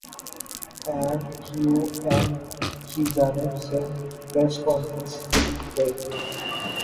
M Q M کی جانب سے پریس کانفرنس کی گئی